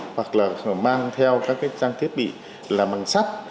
hoặc là phải mang theo các cái trang thiết bị là bằng sắt